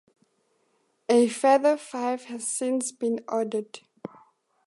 A further five has since been ordered.